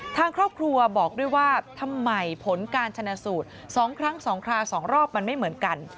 ทางครอบครัวบอกด้วยว่าทำไมผลการชนะสูตร๒ครั้ง๒ครา๒รอบมันไม่เหมือนกัน